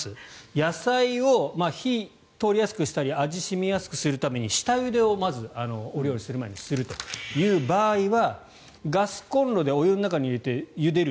野菜を火を通りやすくしたり味を染みやすくしたり下ゆでをまずお料理をする前にするという場合はガスコンロでお湯の中に入れてゆでる